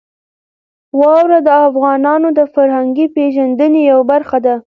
واوره د افغانانو د فرهنګي پیژندنې یوه برخه ده.